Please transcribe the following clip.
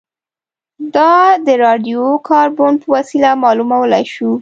دا د راډیو کاربن په وسیله معلومولای شو